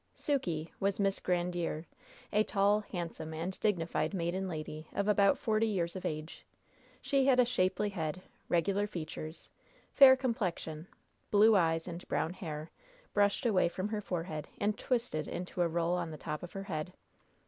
"Sukey" was Miss Grandiere, a tall, handsome and dignified maiden lady of about forty years of age. She had a shapely head, regular features, fair complexion, blue eyes and brown hair, brushed away from her forehead, and twisted into a roll on the top of her head.